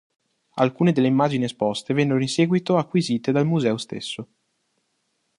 Alcune delle immagini esposte vennero in seguito acquisite dal museo stesso.